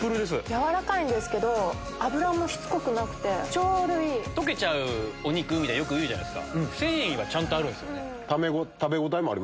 軟らかいんですけど脂もしつこくなくちょうどいい。溶けちゃうお肉みたいのよく言う繊維はちゃんとあるんですよね。